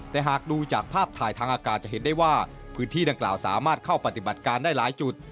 แต่หากดูจากภาพถ่ายทางอากาศจะเห็นได้ว่าพื้นที่ดังกล่าวสามารถเข้าปฏิบัติการได้หลายจุด